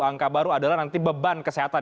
angka baru adalah nanti beban kesehatan